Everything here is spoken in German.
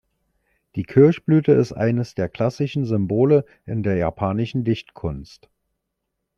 Die Kirschblüte ist eines der klassischen Symbole in der japanischen Dichtkunst.